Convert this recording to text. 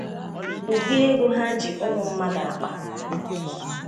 ụdị ego ha ji ụmụ mmadụ akpa